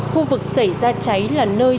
khu vực xảy ra cháy là nơi